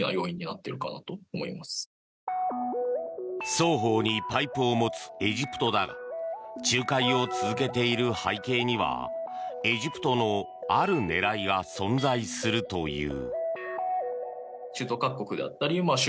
双方にパイプを持つエジプトだが仲介を続けている背景にはエジプトのある狙いが存在するという。